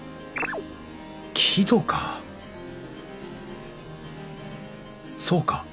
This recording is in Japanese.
木戸かそうか！